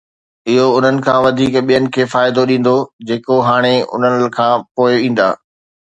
اھو انھن کان وڌيڪ ٻين کي فائدو ڏيندو“ جيڪي ھاڻي انھن کان پوءِ ايندا.